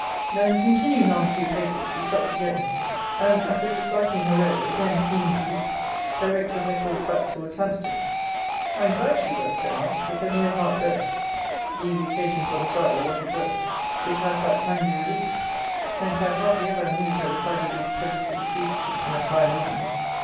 'Then, continuing on a few paces, she stopt again and, as if disliking her road, again seeming to weep, directed her course back towards Hampstead.' I am glad she wept so much, because no heart bursts, (be the occasion for the sorrow what it will,) which has that kindly relief. Hence I hardly ever am moved at the sight of these pellucid fugitives in a fine woman.